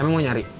emang mau nyari